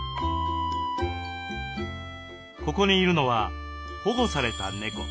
ここにいるのは保護された猫。